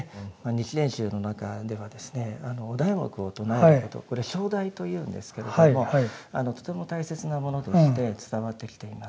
日蓮宗の中ではですねお題目を唱えるということこれ「唱題」というんですけれどもとても大切なものとして伝わってきています。